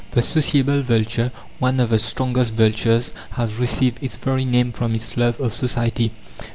The sociable vulture, one of the strongest vultures, has received its very name from its love of society.